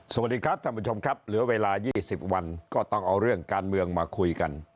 สวัสดีครับท่านผู้ชมครับเหลือเวลา๒๐วันก็ต้องเอาเรื่องการเมืองมาคุยกัน